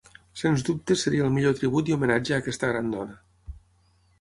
Sens dubte seria el millor tribut i homenatge a aquesta gran dona.